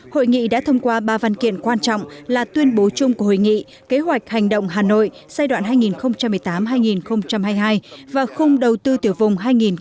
hội nghị đã thông qua ba văn kiện quan trọng là tuyên bố chung của hội nghị kế hoạch hành động hà nội giai đoạn hai nghìn một mươi tám hai nghìn hai mươi hai và khung đầu tư tiểu vùng hai nghìn hai mươi